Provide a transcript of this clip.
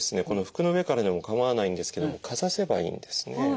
この服の上からでも構わないんですけどもかざせばいいんですね。